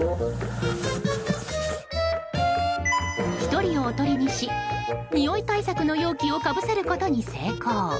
１人をおとりにしにおい対策の容器をかぶせることに成功。